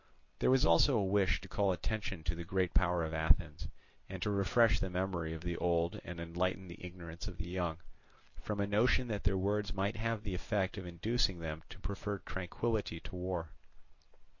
There was also a wish to call attention to the great power of Athens, and to refresh the memory of the old and enlighten the ignorance of the young, from a notion that their words might have the effect of inducing them to prefer tranquillity to war.